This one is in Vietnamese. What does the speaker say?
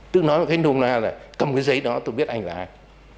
tức nói là cầm cái giấy đó tôi biết anh là ai